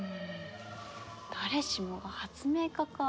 誰しもが発明家か。